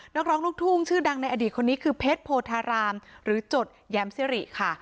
นักร้องลูกทุ่งชื่อดังในอดีตคนนี้คือเพชรโพธารามหรือจดแย้มซิริค่ะ